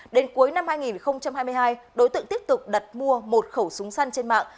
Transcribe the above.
đến cuối năm hai nghìn hai mươi hai đối tượng tiếp tục đặt mua một khẩu súng săn trên mạng